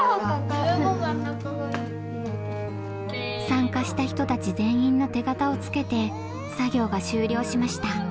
参加した人たち全員の手形を付けて作業が終了しました。